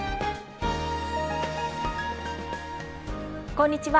こんにちは。